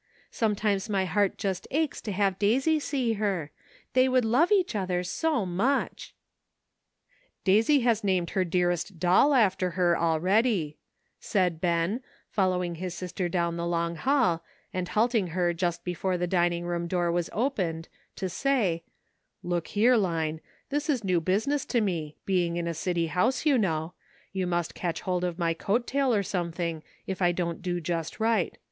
Sometimes my heart just aches to have Daisy see her ; they would love each other so much !"'' Daisy has named her dearest doll after her already," said Ben, following his sister down 320 ''MERRY CHRISTMAS.'' the long hall, and halting her just before the dining room door was opened to say: *'Look here, Line, this is new business to me, being in a city house, you know ; you must catch hold of my coat tail or something, if I don't do just right.